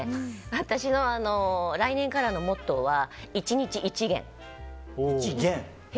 私の来年からのモットーは１日１減。